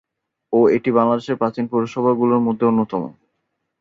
ও এটি বাংলাদেশের প্রাচীন পৌরসভার গুলোর মধ্যে অন্যতম।